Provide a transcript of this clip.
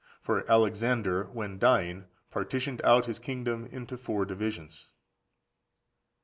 For Alexander, when dying, partitioned out his kingdom into four divisions. 25.